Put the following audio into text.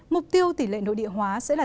mục tiêu tỷ lệ nội địa hóa sẽ là